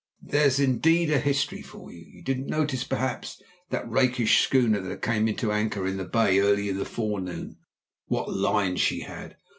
There's indeed a history for you. You didn't notice, perhaps, that rakish schooner that came to anchor in the bay early in the forenoon. What lines she had!